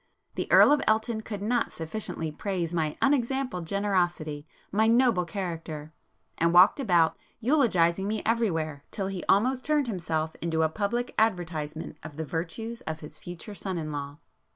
The Earl of Elton could not sufficiently praise my 'unexampled generosity'—my 'noble character;'—and [p 245] walked about, eulogising me everywhere, till he almost turned himself into a public advertisement of the virtues of his future son in law.